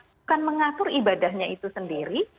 bukan mengatur ibadahnya itu sendiri